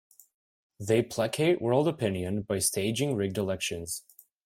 They placate world opinion by staging rigged elections.